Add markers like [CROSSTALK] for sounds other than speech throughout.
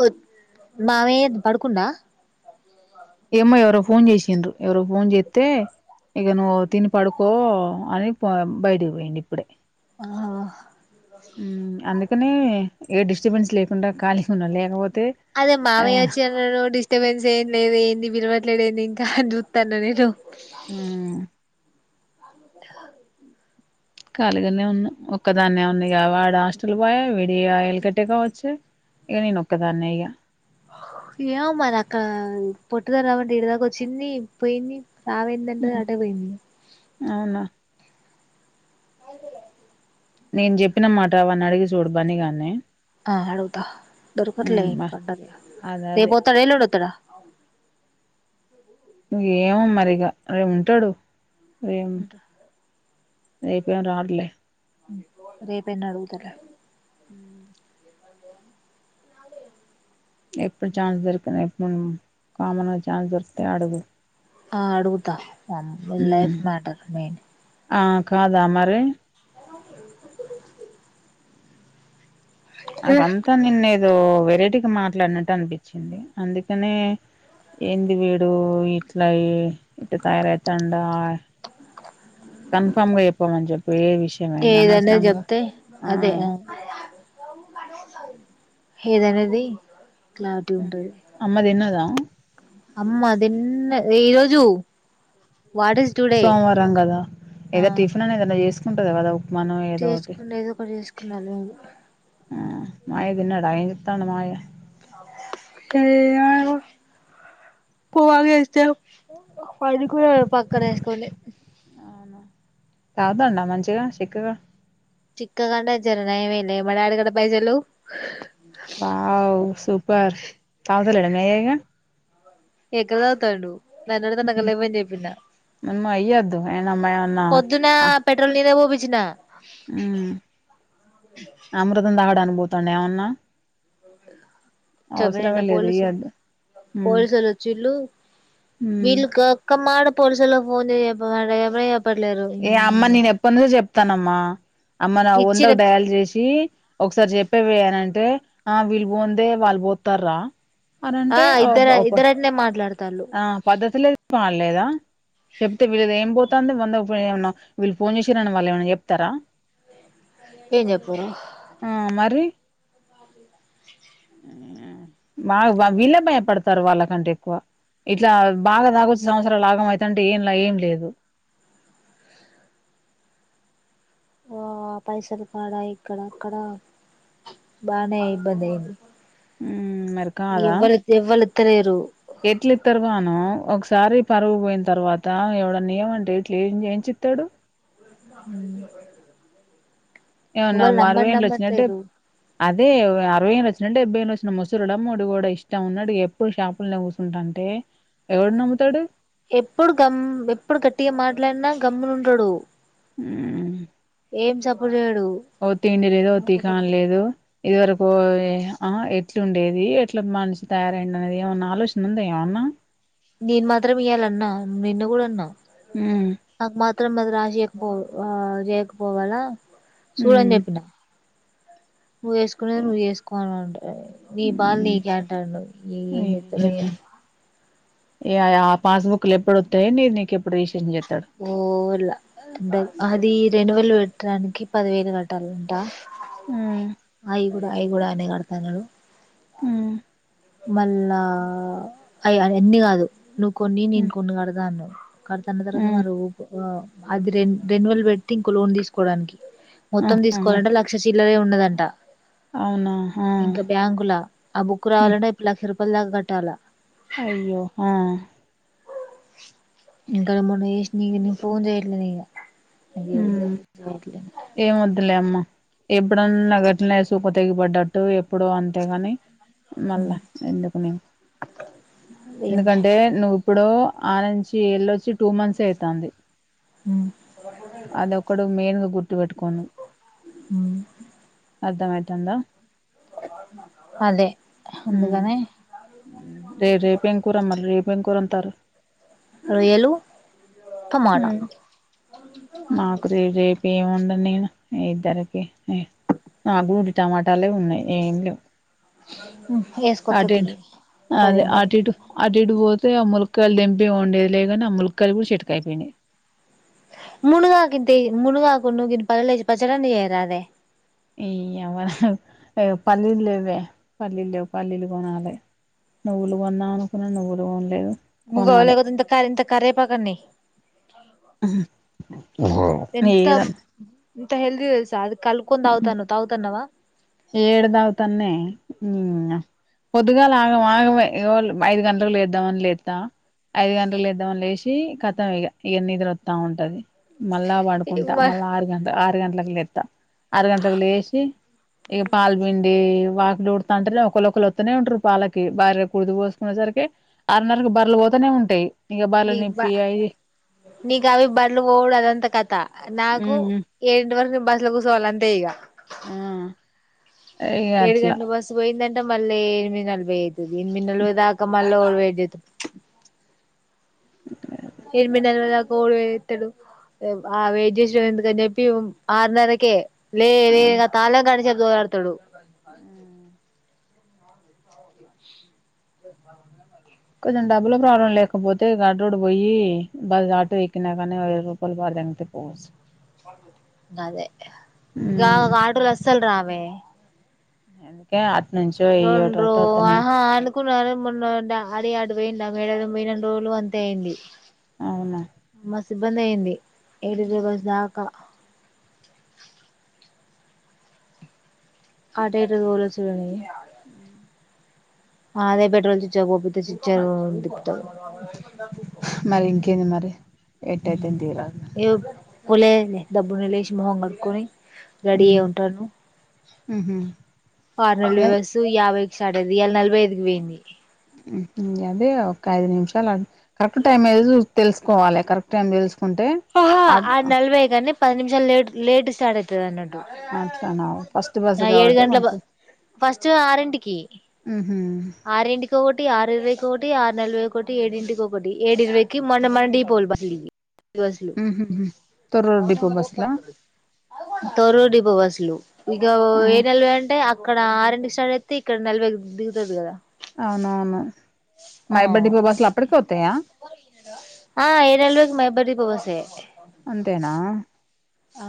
వచ్ మావయ్య పడుకుండా ఏమో ఎవరో ఫోన్ జేసిండు ఎవరో పోన్ జెస్తే ఇగ నువ్వు తిని పడుకో అని బైటికీ పోయిండు ఇప్పుడే ఆ హ్మ్ అందుకనే ఏ డిస్టర్బెన్స్ లేకుండా ఖాళీగా ఉన్నా లేకపోతే అదే ఆ మామయ్య [UNINTELLIGIBLE] డిస్టర్బెన్స్ ఏం లేదు ఏంది మీరవట్లేదేంది ఇంకా జూతన నేను ఆ ఖాళీగానే ఉన్నా ఒక్కదాన్నే ఉంది ఇగ వాడ్ హాస్టల్కి బాయ వీడి ఆయిల్కట్టే కావచ్చు ఇగ నేన్నోక్కదానే ఇగ ఏమ్ మరి అక్కడ పొట్టుదని రావంటే ఇడ్ దాకా వచ్చింది పోయింది రావైందంట అటే పోయింది అవునా నేను చెప్పినమాట అవన్ని అడిగి చూడు బన్నీ గాన్ని ఆ అడగుతా దొరుకట్లే ఏం బా కంటరి అదే రేప్ అదే బోతాడ వెల్లుండ్ [UNINTELLIGIBLE] ఏమో మరి ఇగ రేప్ ఉంటాడు రేం రేపేమి రావట్లే రేపేన అడుగుతన్నరు మ్మ్ ఎప్పుడు చాన్స్ దొరికిన [UNINTELLIGIBLE] కామన్ గా చాన్స్ దొరికితే ఆడుగు ఆ అడుగుతా ఈ మ్మ్ లైఫ్ మ్యాటర్ మెయిన్ ఆ కాదా మరి నాకంతా నిన్న ఏదో వెరైటీగా మాట్లాడినట్టు అనిపించింది అందుకనే ఏంది వీడు ఇట్లయి ఇటు తయారైతండా చెప్పు ఏ విషయమైంది ఏదన్న అనవసరంగా చెప్తే అదే ఆ ఏదనేది క్లారిటీ అమ్మదిన్నదా అమ్మదిన్న ఈ రోజు సోమవారం కదా ఆ ఏదో టిఫిన్ అన్న ఏదనా చేసుకుంటద కదా మనం ఏదో ఒకటి చేసుకున్న ఏదో ఒకటి చేసుకున్నా లేదు ఆ మాయ తిన్నాడా ఏం చేస్తున్నాడు మావయ్య [UNINTELLIGIBLE] పోవ వేస్తే పడుకోనాడు పక్కనేసుకుని తాగుతుందా మంచిగా చిక్కగా చిక్క్క కగా అంటే జర నయమేలే మా డాడీ కూడా పైజలు వావ్ సూపర్ తాగు తల్లేడా మీ అయ్యా ఇక ఎక్కడ తాగుతాడు నన్ను అడిగితే నా దగ్గర లేవని చెప్పిన అమ్మో అయ్యొద్దు ఆయనమ్మ ఏమన్నా పోద్దునా ఆ పెట్రోల్ నేనే పో పిచ్చి మ్మ్ అమృతం దాగడాను పోతాండే ఎవన్నా చెప్పన్న పోలుసు మ్మ్ పోలీసలు వచ్చిల్లు మ్మ్ వీల్లు ఓక్క మటా పోలీసలో ఫోన్ చేయ వారు ఎవరు ఎ వై అప్ ఏ అమ్మ నేను ఎప్పటి నుదో చెప్తానమ్మా అమ్మ నా ఇచ్చిన వందకు డయాలు చేసియి ఒకసారి చెప్పేవె అనంటే ఆ వీళ్ళు పోందే వాళ్ళు పోతార్ రా ఆ అనంటే ఇద్దరు ఓఫర్ ఇద్దరు అట్నే మాట్లాడతాళ్ళు ఆ పద్ధతులే పాడులేదా చెబతే వీలది ఏం పోతు వస్తాంది వంద ఏమో వీళ్ళు ఫోన్ చేసిరని వాళ్ళు ఏమన్నా చెప్తారా అంతే చెప్పు వా వెళ్లే భయపడుతు తర్వాళ్ళకంటే ఎక్కువ ఇట్లా బాగా తాగొచ్చే సంవత్సరాలు ఆగం అయిత అంటే ఏం లా ఏం లేదు ఆ పైసలు కాడా ఇక్కడ అక్కడ బానే ఇబ్బంది అయింది మరి కాదా ఎవ్వరు ఎవ్వరు ఎత్తలేరు ఎట్లు తరు కాన ఒక ఒకసారి పరుపోయిన తర్వాత ఎవడేనా ఇయ్యి మంటే ఇట్లా ఏం చెయిచి ఇతాడు మ్మ్ ఏవునా మారువేం వచ్చినట్ అదే అరవై ఏళ వచ్చినే డెబ్బైేళ వచ్చిన ముసురుడుమ్మడు కూడా ఇష్టం ఉన్నాడు ఇకప్పుడుషాలల్లోనే కూర్చుంటుంటే ఏ ఎవడున్నా నమ్ముతాడు ఎప్పుడు గమ్ ఎప్పుడు గట్టిగా మాట్లాడినా గమ్ములు ఉండడు హ్మ్ ఏం చెప్పదు ఓ తిండి లేదు ఓ తీకాన్ లేదు ఇది వరకు ఆ ఎట్లు ఉండేది ఎట్లా మనిషి తయారై అనేది ఏమన్నా ఆలోచన ఉంద ఏమన్నా నేను మాత్రం ఇయ్యాల అన్నా నిన్ను కూడా అన్నా ఉమ్, నాకు మాత్రం అది రాసియకపోదు ఆ చేయకపోవాలా చూడు అని ఉమ్, చెప్పిన నువ్వుసుకునేది నువ్వు చేసుకోవలాంట నీ బాల్ నీ ఉమ్, కంటాను ఈ ఏం చేస్తాడో ఏమో ఏం- ఏ ఆ పాస్బుక్లు ఎప్పుడొతాయి నీది నీకు ఎప్పుడు రీసెజన్ చెస్తా ఓ ల ద అది రెండు వేలు పెట్టడానికి పదివేలు కట్టాలంట హ్మ్ అయి కూడా అయి కూడా అయనే కడతా అన్నాడు ఉమ్, మళ్ళా అ అన్ని కాదు నువ్వు కొన్ని నేను ఉమ్, కొన్ని కడతాను కడతాన్న తర్వాత ఉమ్, మరి వుకొ ఆ అది రె రెండువేలు పెటి ఇంకో లోన్ తీసుకోవడానికి ఉమ్, మొత్తం ఉమ్, తీసుకోవాలంటే లక్ష చీల్లరే ఉండదండి అవునా ఆ, ఇంకా బ్యాంకులా ఆ బుక్ ఉమ్, రావాలంటే ఇప్పుడు లక్ష రూపాయల దాకా కట్టాలా. అయ్యో హా ఇంకా మొన్న చేసినయి నేను ఫోన్ చేయట్లేదు ఇగా. ఏమద్దులే అమ్మా. ఎప్పుడన్నా గట్నే సూప తెగి పడ్డట్టు ఎప్పుడు అంతే కాని. మళ్ళా చేయట్లేను ఎందుకు నీకు. ఏం ఎందుకంటే నువ్వు ఇప్పుడు ఆనుంచి ఎల్ళొచ్చి టూ మంత్స్ అయితాంది. అదొక్కడు మెయిన్గా గుర్తు పెట్టు కొను ఉమ్ అర్థం అయితాందా. అదే ఊ అందుకనే రే రేపు ఎం కూర మరి రేపు ఎంకూర అంటార్రు. రొయ్యలు హు టమాటా నాకు రే రే ఏమండను నేను ఇద్దరికి ఆహ్ గూడి టమాటాలే ఉన్నయి ఏం లేవు వేసుకొత్త అడేడు తియ్యి అదే కడియం పట్ అటిటు అటీటుపోతే ఆ ముల్లకాయలు తెంపి వండేది లేదుగాని, ఆ ముల్లకాయలు కూడా చెట్టుకు అయిపోయినయి. మునుగాకింత ఏయ్ మునుగాకు ఉన్ను ఇన్ని పల్లీలు ఏసీ పచ్చడన్న చేయరాదే. ఈయవ్వ ఆ పల్లీలు లేవే పల్లీ లేవు పల్లీలు కొనాలె. నువ్వులు కొందాం అనుకున్నా నువ్వులు కొనలేదు. మునగాకు కొనాలి లేకపోతే ఇంత ఇంత కరేపాకు అన్నా ఏయ్. హుహ్ ఏది ఎంత హెల్దీ తెల్సా అది కలుపుకొని తాగుతాన్నవు. తాగుతన్నవా? ఏడతాగుతన్నే ఇంగా పొద్దుగాల ఆగం ఆగం మే ఇగో ఐదు గంటలకు లేద్దామని లేత్తా ఐదు గంటలు లేద్దామని లేశి కతం ఇగ ఇగా నిద్రా అత్తా ఉంటది. మళ్ళా పడుకుంటా, మళ్ళా ఆరు గంట ఆరు గంటలకు లేత్తా. ఆరు గంటలకు లేశి ఇగ పాల్పిండి వాకులుడుతంటేనే ఒకళ్ళు ఒకళ్ళు అత్తనే ఉంటరు పాలకి. బర్రెకు కుడిది పోసుకునేసరికి ఆరున్నరకి బర్రేలు పోతా నే ఉంటయి. ఇగ నీ బర్రెలు బా నిప్పి అయి నీకు అవి బర్లు పోవుడు అది అంత కథా. నాకు ఉమ్ ఏడింటి వరకు బస్లో కూసోవాలే అంతే ఇగా ఆ ఇగ ఏడు అట్లా గంట్ల బస్సు పోయిందంటే మళ్ళీ ఎనిమిది నలభై అయితది. ఎనిమిది నలభై దాకా మళ్ ళ్ళ ఎవరు వేయిట్ చేత్తరు. [INAUDIBLE] ఎనిమిదిన్నరా దాకా ఎవడు వెయిట్ చేత్తడు. హ్ ఆ వెయిట్ చేసేది ఎందుకని చెప్పి ఆరున్నరకే లే లే తాళ్ళే గంటసేపు దోవులాడుతడు. ఆ కొంచెం డబ్బుల ప్రాబ్లం లేకపోతే ఘాట్ రోడ్ పోయి బా ఆటో ఎక్కినా కానీ ఇరవై రూపాయలు పాడ దెంగితే పోవచ్చు. అదే ఇగ ఆమెకు ఆటోలు అస్సల్ రావే. ఎందుకే రెండు ఆహా అనుకున్నా కాని మొన్న డ అడి అటుపోయిండా మేడారం పేయినన్ని రోజలు అంతే అయింది, అవునా మస్త్ ఇబ్బంది అయింది. ఎడిటి బస్స్ దాకా అటేటుతోళచ్చుకాని ఊ అదే పెట్రోల్ చిచాకి పోపిత్తే, చిచా రోజు దింపుతడు. మరి ఇంకేంది మరి ఊ ఎట్టయితే తీరాదు ఎవుకో పూలె అయింది ధాబునా లేసి మొఖం కడుక్కొని రెడీ అయి ఉంటాను ఫార్నల్ యుస్ యాభై సడేది ఇ నలభై ఐదుకి పోయింది అదే ఒక ఐదు నిమిషాలు కరెక్ట్ టైం ఏదు తెలుసుకోవాలి కరెక్ట్ టైం తెలుసుకో కొంటె ఆహా ఆరు అదం నలభై కానీ పది నిమిషాలు లేట్ స్టార్ట్ అవుతుది అంట అట్లా నావు ఫస్ట్ బాస్ కాబట్టి గంటల మంచి ఫస్ట్ ఆరంటికి ఆరింటికి ఒకటి ఆరు ఇరవై ఒకటి ఆరు నలభై ఒకటి ఏడింటికి ఒకటి ఏడు ఇరవైకి మొ మన డీపోవల్ బస్ బస్సులు తొర్రూరు డిపో బస్సులా తొరురు డిపో బస్లు ఇ ఏనల్వే అంటే అ ఇక్కడ ఆరింటికి స్టార్ట్ అయితే ఇక్కడ నలభై దిగుతుది కదా అవునవును మైబాద్ డిపో బస్సులు అప్పటికే వత్తాయా ఈ నెల నుండి మైబాద్ డిపో బస్సు అంతేనా ఆ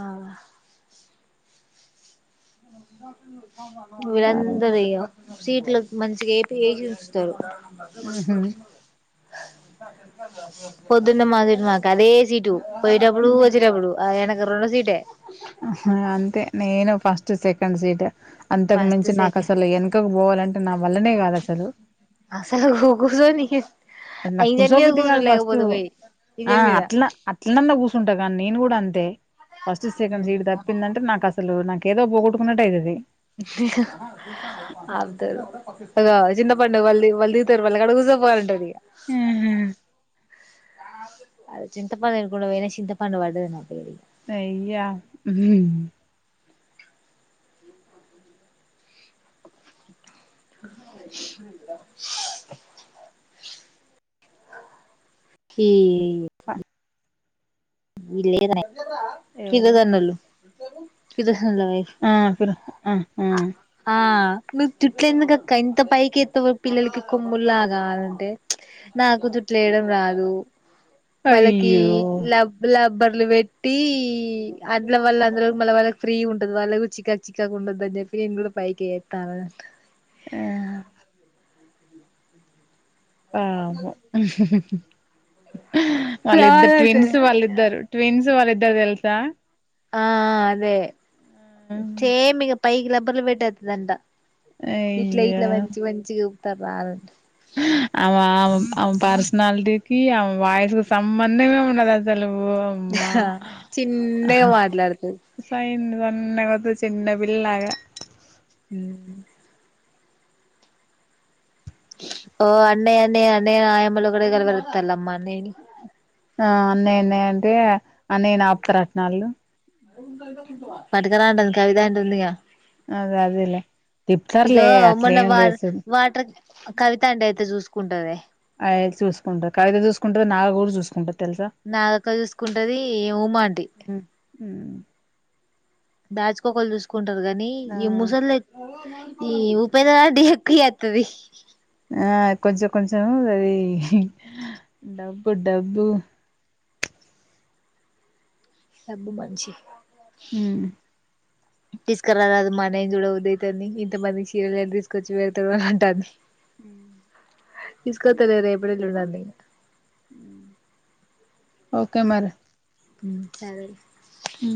సరే వీళ్ళందరయ్య సీట్ల మంచిగా ఏపీ వయిుతారు అద్ద పడుకు ఉహు రొ మ పొద్దున్న మాది మాక అదే సీటు పోయిటప్పుడు వచ్చిటాప్పుడు ఆ యనక రెండో సీటే అంతే నేను ఫస్ట్ సెకండ్ సీట్ అంతకు ఫస్ట్ మించి నాకు సెకండ్ అసలు వెనకకు పోవాలంటే నా వల్లనే కాదు అసలు అసలుగూకూరు అది నాకు కూర్చోబుది కాదు ఫస్ట్ లేకపోతే పోయి ఆ ఇంజన్ మీద అట్లా అట్లనన్నా కూర్చుంటా కానీ నేను కూడా అంతే ఫస్ట్ సెకండ్ సీట్ తప్పిందంటే నాకు అసలు నాకు ఏదో పోగొట్టుకున్నట్అయితది అదుదు చిన్న పండుగ అల్లి వళ్ళ దితరువళ్ళ కడ కూసా పోవాఅంటది ఉహు అది చింత పడిదికుడా ఏనే చింత పడి వర్ద నా ఇగ అయ్యా కి ఆ ఇ లేద ఎవలు కిలదన్నళు కి ఆ ఆ ఆ నువ్వు చుట్లంది కక్క ఇంత పైకి ఎస్తవు పిల్లలకి కొమ్ముల్లాగావాలంటే నాకు జుట్ లేయడం రాదు వాళ్ళకి అయ్యో ల లేబర్ పెట్టి అందుల వాల్ల అందులో మళ్ళ వాళ్ళకి ఫ్రీ ఉంటది వాళ్ళ చికా చికాకు ఉండ ఆది చెప్పి నేను కూడా పైకితాను ఆ ఆ ఒక నిమిషం వాళ్ళిద్దరు రాదటలే ట్విన్స్ వాళ్ళిద్దరు ట్విన్స్ వాళ్ళిద్దరు తెలుసా ఆ అదే సేమ్ ఇంకా పైకి రాబర్లు పేటెదంట ఇట్లా అయ్యా ఇట్లా మంచి మంచి చఊపుతారు రాలడి ఆ ఆ పర్సనాలిటీకిి ఆ వాయిస్ కి సంబంధమే ఉండదు అసలు ఓ అమ్మా చిన్నగా మాట్లాడుతది సైన్ సనాకొదు చిన్న పిల్గా ఓ అన్నయ అన్నే అన్నే ఆయమలు కూడా గ బరుతల్మ్ అన్నే [UNINTELLIGIBLE] ఆ అన్నయన్న అంటే అన్నయ నాప్త రట్నాళ్ళు పటుకలా అంటుంది కవిత ఏంటుంది ఇకా అదే అదేలే ఇగో తిప్పుతారులే మొన్న అట్లేం వార్ లేదు చూడు వాటర్ కవిత ఆంటీ అయితే చూసుకుంటదే అదే చూసుకుంటది కవిత చూసుకుంటది నాగ గూడ చూసుకుంటది తెలుసా నాగక్క చూసుకుంటది ఉమా ఆంటీ ఊ బ్యాచ్ కొకలు చూసుకుంటలు గనీ ఆ ఈ ముసల్దయితే ఈ ఉపేనా డియుకీయతది ఆ కొంచెం కొంచెం అది డబ్బు డబ్బు డబ్బు మంచి ఊ [INAUDIBLE] తీసుకురారాదు మా అన్నయ్య ను చూడ బుద్దయ్ తంది ఇంత మంది చెల్లెలని తీసుకొచ్చి వెళ్తవ్ అని అంటాంది ఊ తీస్కోతలే రేప్ ఎల్లుండని ఉమ్ ఓకే మరి ఊ సరే ఊ